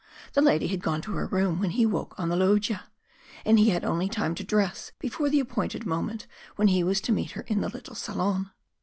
The lady had gone to her room when he woke on the loggia, and he had only time to dress before the appointed moment when he was to meet her in the little salon.